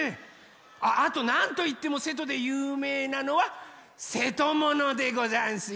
あっあとなんといってもせとでゆうめいなのはせとものでござんすよ。